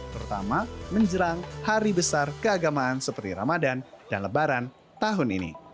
terutama menjelang hari besar keagamaan seperti ramadan dan lebaran tahun ini